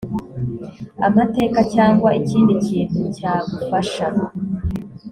amateka cyangwa ikindi kintu cyagufasha